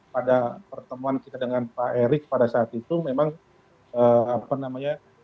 pada pertemuan kita dengan pak erick pada saat itu memang apa namanya